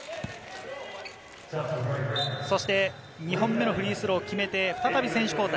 そして２本目のフリースローを決めて再び選手交代。